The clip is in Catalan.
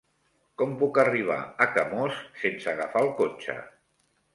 Com puc arribar a Camós sense agafar el cotxe?